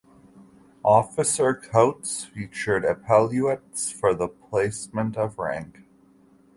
Officer coats feature epaulets for the placement of rank.